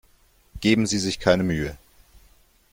Geben Sie sich keine Mühe.